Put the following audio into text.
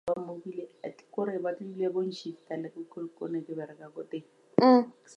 The outward trappings of Nicholis's system were Anabaptist.